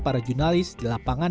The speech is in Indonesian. para jurnalis di lapangan